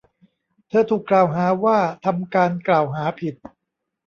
เธอถูกกล่าวหาว่าทำการกล่าวหาผิด